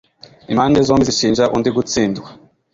impande zombi zishinja undi gutsindwa